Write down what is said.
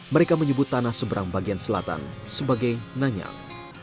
mereka menyebut tanah seberang bagian selatan sebagai nanyam